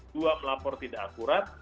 dua melapor tidak akurat